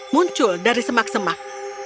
muncul dari semak semak